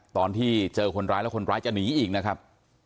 ตอนที่เจอคนร้ายแล้วคนร้ายจะหนีอีกนะครับ